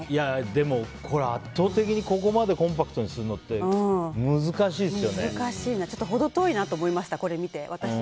でもこれ圧倒的にここまでコンパクトにするのって程遠いなと思いました、私。